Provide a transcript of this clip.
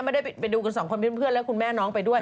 ไม่ได้ไปดูกัน๒คนผู้เช่นและคุณแม่น้องไปด้วย